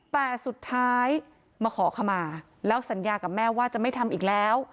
แต่สุดท้ายมาขอขมาแล้วสัญญากับแม่ว่าจะไม่ทำอีกแล้ว